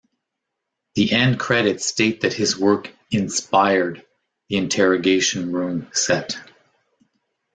The end credits state that his work "inspired" the Interrogation Room set.